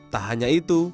tak hanya itu